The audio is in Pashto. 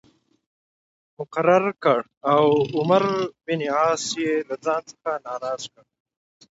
مقرر کړ او عمرو بن عاص یې له ځان څخه ناراض کړ.